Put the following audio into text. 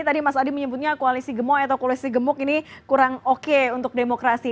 tadi mas adi menyebutnya koalisi gemuk atau koalisi gemuk ini kurang oke untuk demokrasi